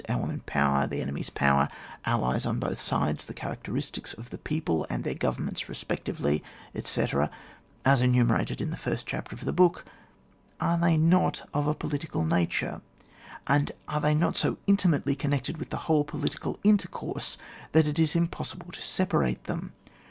our own power, the enemy's power, allies on both sides, the character istics of the people and their Govern ments respectively, etc., as enumerated in the first chapter of the first book, — are they not of a political nature, and are they not so intimately connected with the whole political intercourse that it is impossible to separate them